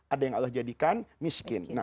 ada yang allah jadikan miskin